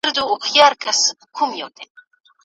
سبا به موږ یو کمپاین پیل کړو.